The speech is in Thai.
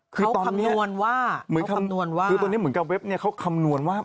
เค้าคำนวณว่าเหมือนกับเว็บนี้เค้าคำนวณว่า